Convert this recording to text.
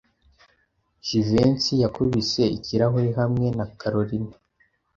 Jivency yakubise ikirahuri hamwe na Kalorina.